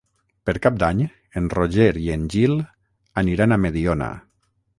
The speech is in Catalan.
Per Cap d'Any en Roger i en Gil aniran a Mediona.